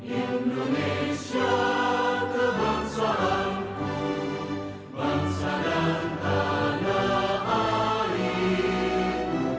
indonesia kebangsaanku bangsa dan tanah airku